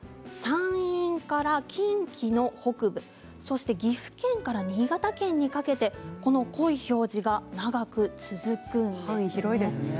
山陰から近畿の北部そして岐阜県から新潟県にかけてこの濃い表示が長く続くんです。